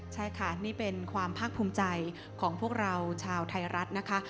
ใช่ค่ะนี่เป็นความภาคภูมิใจของพวกเราชาวไทยรัฐนะคะ